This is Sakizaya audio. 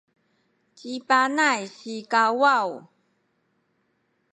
ci Panay sikawaw